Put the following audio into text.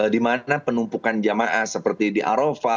dimana penumpukan jamaah seperti di arofa